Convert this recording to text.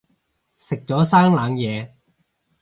食咗生冷嘢